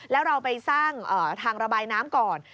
แล้วเราไปสร้างทางระบายน้ำก่อน